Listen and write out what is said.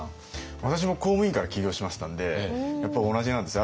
私も公務員から起業しましたんでやっぱり同じなんですよ